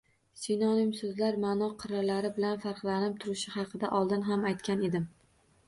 Sinonim soʻzlar maʼno qirralari bilan farqlanib turishi haqida oldin ham aytgan edim